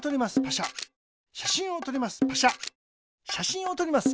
しゃしんをとります。